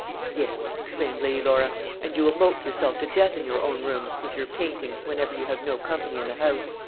"Yes," exclaimed Lady Laura, "and you will mope yourself to death in your own rooms, with your painting, whenever you have no company in the house.